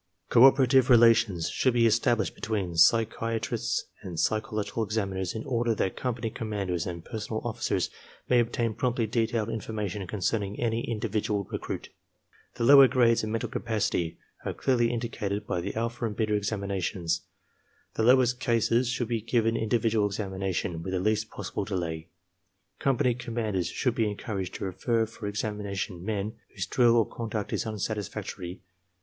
Cooperative relations should be established between psychia trists and psychological examiners in order that company com manders and personnel officers may obtain promptly detailed information concerning any individual recruit. The lower grades of mental capacity are clearly indicated by the alpha and beta examinations. The lowest cases should be given individual examination with the least possible delay. Com \ pany commanders should be encouraged to refer for examina tion men whose drill or conduct is unsatisfactory.